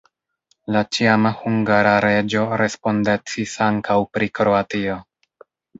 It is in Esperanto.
La ĉiama hungara reĝo respondecis ankaŭ pri Kroatio.